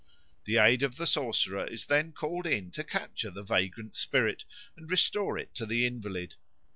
The aid of the sorcerer is then called in to capture the vagrant spirit and restore it to the invalid.